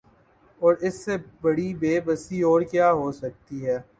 اور اس سے بڑی بے بسی اور کیا ہو سکتی ہے